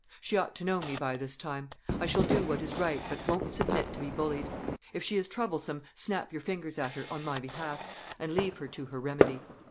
She ought to know me by this time; I shall do what is right, but won't submit to be bullied. If she is troublesome, snap your fingers at her, on my behalf, and leave her to her remedy.